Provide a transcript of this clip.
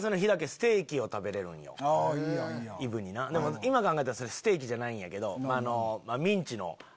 でも今考えたらそれステーキじゃないんやけど。